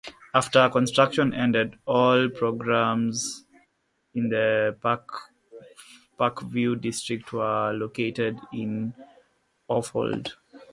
After construction ended, all schools in the Parkview district were located in Orfordville.